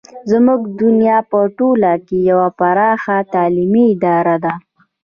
زموږ دنیا په ټوله کې یوه پراخه تعلیمي اداره ده.